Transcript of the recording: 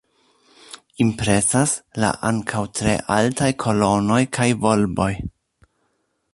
Impresas la ankaŭ tre altaj kolonoj kaj volboj.